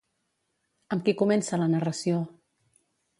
Amb qui comença la narració?